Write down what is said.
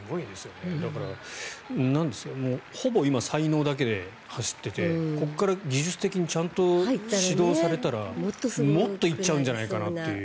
だから、ほぼ今才能だけで走っててここから技術的にちゃんと指導されたらもっと行っちゃうんじゃないかなという。